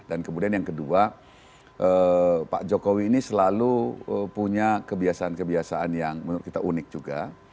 dan kemudian yang kedua pak jokowi ini selalu punya kebiasaan kebiasaan yang menurut kita unik juga